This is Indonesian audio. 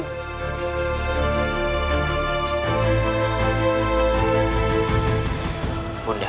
harap segera menemukannya